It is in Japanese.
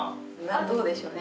どうでしょうね